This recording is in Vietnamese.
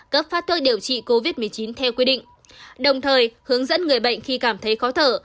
cấp phát thuốc điều trị covid một mươi chín theo quy định đồng thời hướng dẫn người bệnh khi cảm thấy khó thở